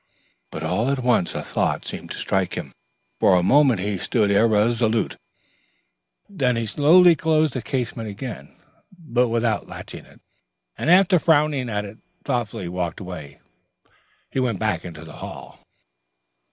But all at once a thought seemed to strike him. For a moment he stood irresolute, then he slowly closed the casement again, but without latching it, and after frowning at it thoughtfully walked away. He went back into the hall.